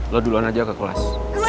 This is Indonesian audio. lo duluan aja ke kelas